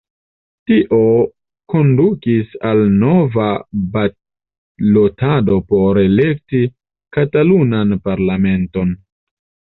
Tio kondukis al nova balotado por elekti Katalunan Parlamenton.